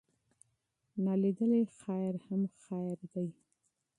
نا لیدلی خیر هم خیر دی.